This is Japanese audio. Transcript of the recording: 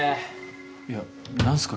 いや何すか？